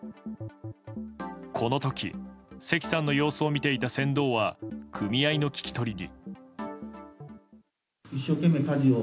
この時関さんの様子を見ていた船頭は組合の聞き取りに。